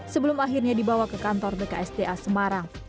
sebelum akhirnya dibawa ke kantor bksda semarang